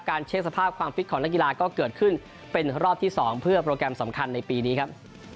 เช็คสภาพความฟิตของนักกีฬาก็เกิดขึ้นเป็นรอบที่๒เพื่อโปรแกรมสำคัญในปีนี้ครับ